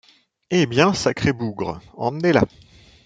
Eh bien ! sacré bougre, emmenez-la !…